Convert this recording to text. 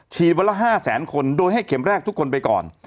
วันละ๕แสนคนโดยให้เข็มแรกทุกคนไปก่อน